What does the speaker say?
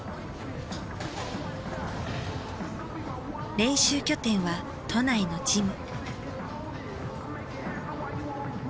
練習拠点は都内のジム。